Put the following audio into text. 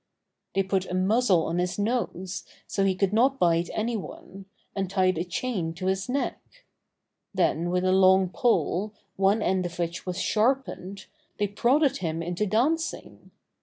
They put a muzzle on his nose so fie could not bite any one, and tied a chain to his neck. Then with a long pole, one end of which was sharpened, they prodded him into dancing.